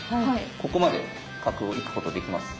ここまで角行くことできます。